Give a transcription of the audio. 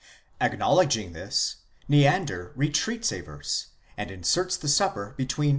— Acknowledging this, Neander retreats a verse, and inserts the Supper between v.